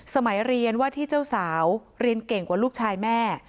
สมัยเรียนว่าที่เจ้าสาวเรียนเก่งกว่าลูกชายแม่